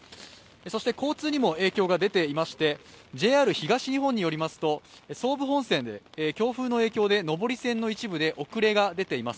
そして交通にも影響が出ていまして、ＪＲ東日本によりますと総武本線で強風の影響で一部遅れが出ています。